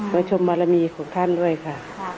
ก็ชมบารมีของท่านด้วยค่ะ